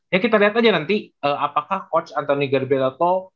ya kita lihat aja nanti apakah coach anthony garbieto